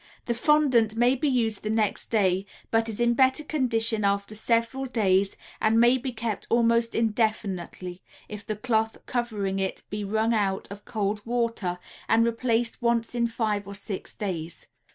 The fondant may be used the next day, but is in better condition after several days, and may be kept almost indefinitely, if the cloth covering it be wrung out of cold water and replaced once in five or six days.